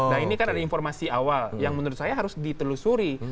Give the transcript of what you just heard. nah ini kan ada informasi awal yang menurut saya harus ditelusuri